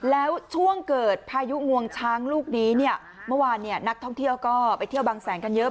แล้วช่วงเกิดพายุงวงช้างลูกนี้เนี่ยเมื่อวานเนี่ยนักท่องเที่ยวก็ไปเที่ยวบางแสนกันเยอะ